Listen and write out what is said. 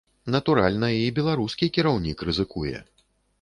Натуральна, і беларускі кіраўнік рызыкуе.